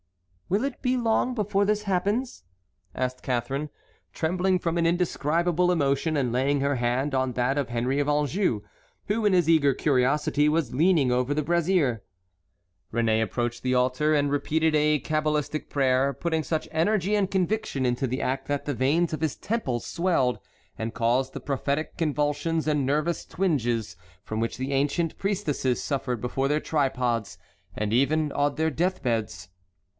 "Will it be long before this happens?" asked Catharine, trembling from an indescribable emotion and laying her hand on that of Henry of Anjou, who in his eager curiosity was leaning over the brazier. Réné approached the altar and repeated a cabalistic prayer, putting such energy and conviction into the act that the veins of his temples swelled, and caused the prophetic convulsions and nervous twinges from which the ancient priestesses suffered before their tripods, and even on their death beds.